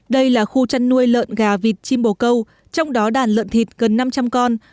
đây là khu chăn nuôi lợn gà vịt chim bồ câu trong đó đàn lợn thịt gần năm trăm linh con